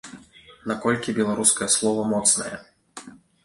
Наколькі беларускае слова моцнае?